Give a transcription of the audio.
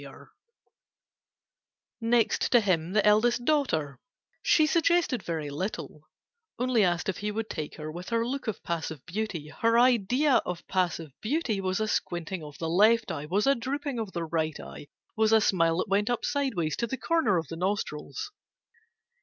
[Picture: Next to him the eldest daughter] Next to him the eldest daughter: She suggested very little, Only asked if he would take her With her look of 'passive beauty.' Her idea of passive beauty Was a squinting of the left eye, Was a drooping of the right eye, Was a smile that went up sideways To the corner of the nostrils.